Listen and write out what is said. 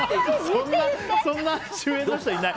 そんな主演の人いない。